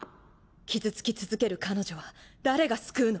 傷つき続ける彼女は誰が救うの？